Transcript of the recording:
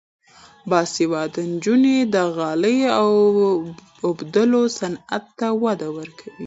باسواده نجونې د غالۍ اوبدلو صنعت ته وده ورکوي.